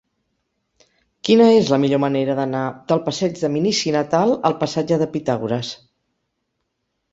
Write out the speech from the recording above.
Quina és la millor manera d'anar del passeig de Minici Natal al passatge de Pitàgores?